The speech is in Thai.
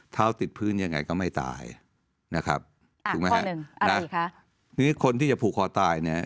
เท้าติดพื้นยังไงก็ไม่ตายนะครับอ่าข้อหนึ่งอะไรค่ะนี่คนที่จะผูกคอตายเนี้ย